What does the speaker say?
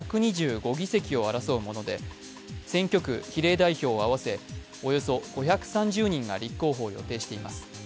１議席の合わせて１２５議席を争うもので、選挙区・比例代表を合わせおよそ５３０人が立候補を予定しています。